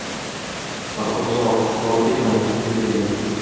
Faqat uzoq qolib ketma, dedi kelin